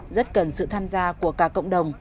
rất cần sự tham gia của cả cộng đồng